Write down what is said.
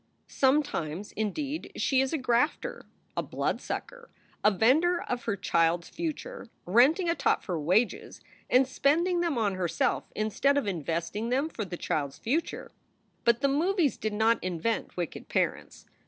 Sometimes, indeed, she is a grafter, a blood sucker, a vender of her child s future, renting a tot for wages and spending them on herself instead of investing them for the child s future. But the movies did not invent wicked parents.